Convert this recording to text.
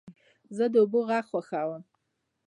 زه د اوبو غږ خوښوم.